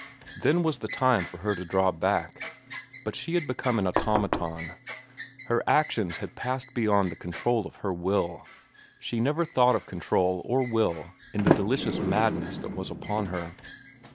Then was the time for her to draw back. But she had become an automaton. Her actions had passed beyond the control of her will—she never thought of control or will in the delicious madness that was upon her.